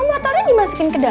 kamu motornya dimasukkan ke dalam